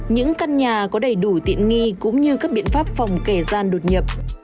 những căn nhà có đầy đủ tiện nghi cũng như các biện pháp phòng kẻ gian đột nhập